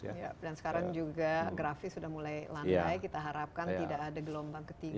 dan sekarang juga grafis sudah mulai landai kita harapkan tidak ada gelombang ketiga